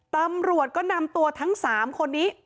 ตำรวจก็นำตัวทั้ง๓คนนี้